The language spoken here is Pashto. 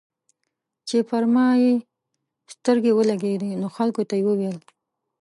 چې پر ما يې سترګې ولګېدې نو خلکو ته یې وويل.